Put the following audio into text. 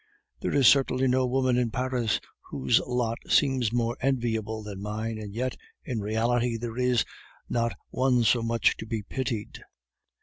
There is certainly no woman in Paris whose lot seems more enviable than mine, and yet, in reality, there is not one so much to be pitied.